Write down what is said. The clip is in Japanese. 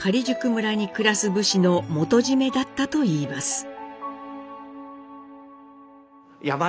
假宿村に暮らす武士の元締めだったといいます。